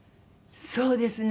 そうですね。